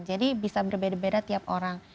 jadi bisa berbeda beda tiap orang